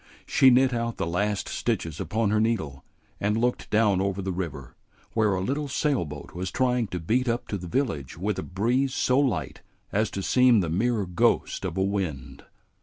She knit out the last stitches upon her needle, and looked down over the river, where a little sail boat was trying to beat up to the village with a breeze so light as to seem the mere ghost of a wind.